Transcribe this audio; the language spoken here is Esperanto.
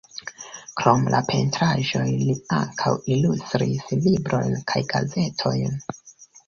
Krom la pentraĵoj li ankaŭ ilustris librojn kaj gazetojn.